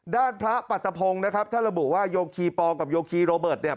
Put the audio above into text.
ด้านพระปัตตะพงศ์นะครับท่านระบุว่าโยคีปอลกับโยคีโรเบิร์ตเนี่ย